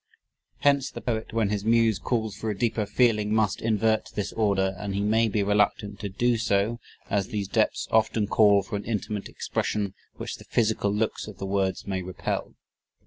Hence the poet when his muse calls for a deeper feeling must invert this order, and he may be reluctant to do so as these depths often call for an intimate expression which the physical looks of the words may repel.